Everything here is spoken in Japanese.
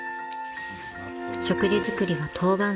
［食事作りは当番制］